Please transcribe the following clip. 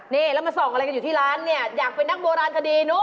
นี่แล้วมาส่องอะไรอยู่ที่ร้านอยากเป็นนักโบราณคดี